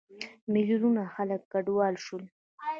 میلیونونه خلک کډوال شول.